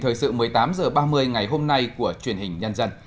thời sự một mươi tám h ba mươi ngày hôm nay của truyền hình nhân dân